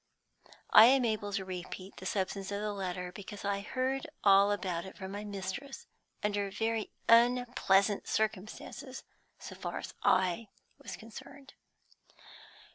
I am able to repeat the substance of the letter, because I heard all about it from my mistress, under very unpleasant circumstances so far as I was concerned.